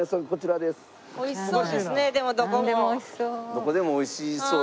なんでもおいしそう。